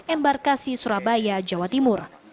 embarkasi surabaya jawa timur